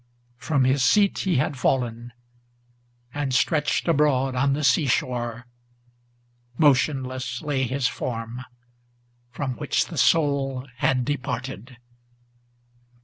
from his seat he had fallen, and stretched abroad on the sea shore Motionless lay his form, from which the soul had departed.